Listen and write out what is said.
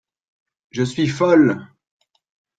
Je suis folle.